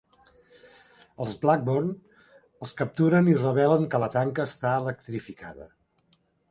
Els Blackburn els capturen i revelen que la tanca està electrificada.